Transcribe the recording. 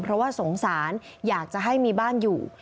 เพราะว่าสงสารอยากจะให้มีบ้านอยู่